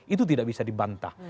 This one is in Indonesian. itu tidak bisa dibantah